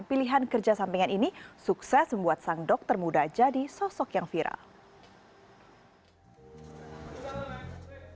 pilihan kerja sampingan ini sukses membuat sang dokter muda jadi sosok yang viral